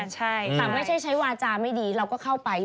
ต่างไม่ใช่วาจารย์ไม่ดีเราก็เข้าไป